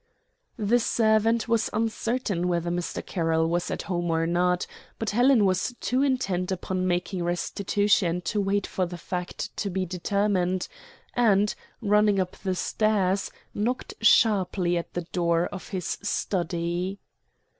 The servant was uncertain whether Mr. Carroll was at home or not, but Helen was too intent upon making restitution to wait for the fact to be determined, and, running up the stairs, knocked sharply at the door of his study.